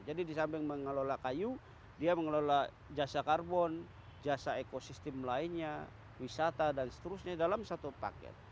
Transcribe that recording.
jadi di samping mengelola kayu dia mengelola jasa karbon jasa ekosistem lainnya wisata dan seterusnya dalam satu paket